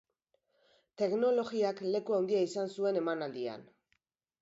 Teknologiak leku handia izan zuen emanaldian.